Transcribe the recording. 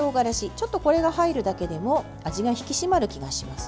ちょっとこれが入るだけでも味が引き締まる気がします。